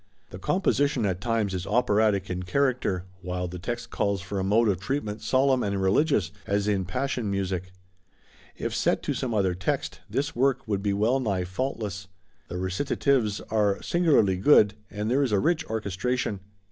The composition at times is operatic in character, while the text calls for a mode of treatment solemn and religious, as in Passion music. If set to some other text, this work would be well nigh faultless; the recitatives are singularly good, and there is a rich orchestration.